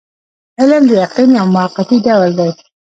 علم د یقین یو موقتي ډول دی.